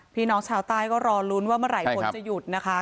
พี่น้องชาวใต้ก็รอลุ้นว่าเมื่อไหร่ผลจะหยุดนะคะ